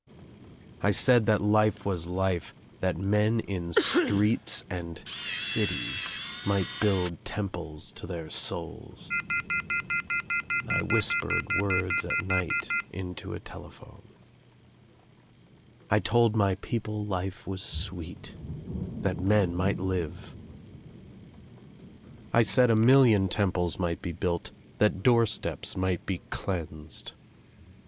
I said that life was life, that men In streets and cities might build temples to their souls. r^3^V \ 7^y^^:^ ' M THE MAN WITH THE TRUMPET 269 I whispered words at night into a telephone. I told my people life was sweet, that men might live. I said a million temples might be built, that door steps might be cleansed.